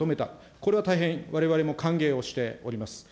これは大変われわれも歓迎をしております。